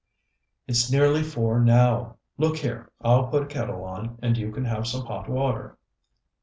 "It's nearly four now. Look here, I'll put a kettle on, and you can have some hot water."